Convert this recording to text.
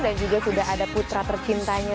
dan juga sudah ada putra tercintanya